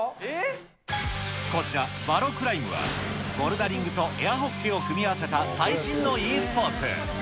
こちら、ヴァロ・クライムは、ボルダリングとエアホッケーを組み合わせた最新のｅスポーツ。